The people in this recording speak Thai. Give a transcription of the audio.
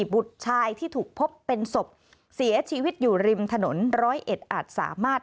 บุตรชายที่ถูกพบเป็นศพเสียชีวิตอยู่ริมถนนร้อยเอ็ดอาจสามารถ